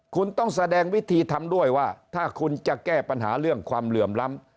คุณต้องแสดงวิธีทำด้วยว่าถ้าคุณจะแก้ปัญหาเรื่องความเหลื่อมล้ำ